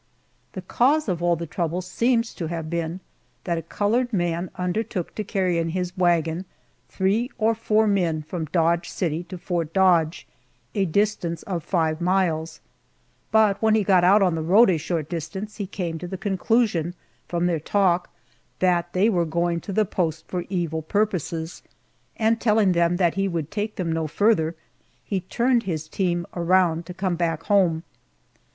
The cause of all the trouble seems to have been that a colored man undertook to carry in his wagon three or four men from Dodge City to Fort Dodge, a distance of five miles, but when he got out on the road a short distance he came to the conclusion, from their talk, that they were going to the post for evil purposes, and telling them that he would take them no farther, he turned his team around to come back home.